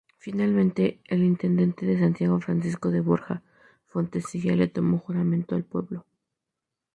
Finalmente, el intendente de Santiago Francisco de Borja Fontecilla le tomó juramento al pueblo.